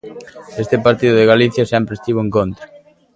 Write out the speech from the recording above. Este partido de Galicia sempre estivo en contra.